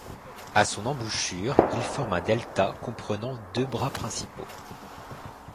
À son embouchure, il forme un delta comprenant deux bras principaux.